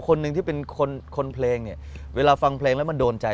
ปึ้งบนเพลงนี่เวลาฟังเพลงแล้วมันโดนใจ